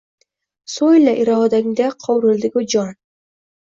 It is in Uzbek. So‘yla irodangda qovrildi-ku jon.